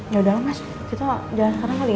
yaudah mas kita jalan sekarang kali ya